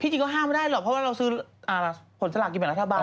พี่จี้ก็ห้ามไม่ได้หรอกเพราะว่าเราซื้อผลสลากที่เป็นรัฐบาล